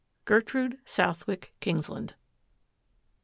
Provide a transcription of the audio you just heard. Gertrude Southwick Kingsland.